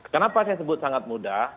kenapa saya sebut sangat mudah